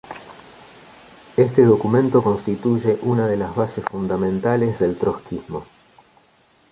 Este documento constituye una de las bases fundamentales del trotskismo.